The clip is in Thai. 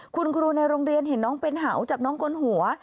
คุณครูในโรงเรียนเห็นน้องเป็นเห่าจับน้องกลหัว